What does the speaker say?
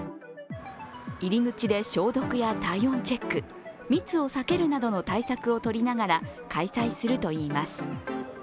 入り口で消毒や体温チェック、密を避けるなどの対策を取りながら開催するといいます。